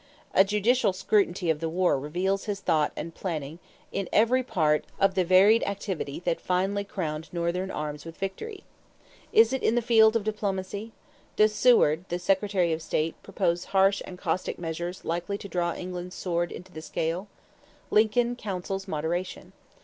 A judicial scrutiny of the war reveals his thought and planning in every part of the varied activity that finally crowned Northern arms with victory. Is it in the field of diplomacy? Does Seward, the Secretary of State, propose harsh and caustic measures likely to draw England's sword into the scale? Lincoln counsels moderation.